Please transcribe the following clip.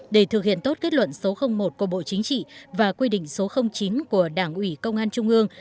để thực hiện tốt kết luận số một của bộ chính trị và quy định số chín của đảng ủy công an trung ương